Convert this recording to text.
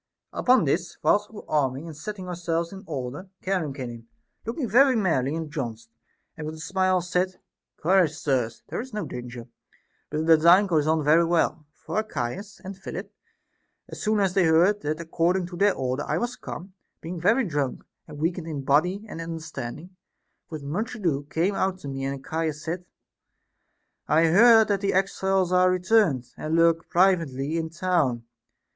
29. Upon this, whilst we were arming and setting our selves in order, Charon came in, looking very merrily and jocund, and with a smile said : Courage, sirs, there is no danger, but the design goes on very well ; for Archias and Philip, as soon as they heard that according to their order I was come, being very drunk and weakened in vol. ii. 27 418 A DISCOURSE CONCERNING body and understanding, with much ado came out to me ; and Archias said, I hear that the exiles are returned, and lurk privately in town.